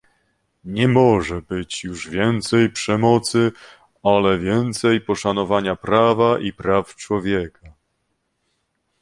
Nie może być już więcej przemocy, ale więcej poszanowania prawa i praw człowieka